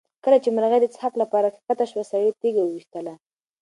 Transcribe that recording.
کله چې مرغۍ د څښاک لپاره کښته شوه سړي تیږه وویشتله.